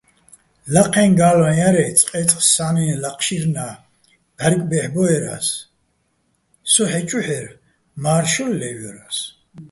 ლაჴეჼ გა́ლვაჼ ჲარ-ე́, წყე́წყ სა́ნინ ლაჴშირნა́ ბჵარკ ბე́ჰ̦ბოერა́ს, სო ჰ̦ეჭუ́ჰ̦ერ, მა́რშოლ ლე́ვდორას.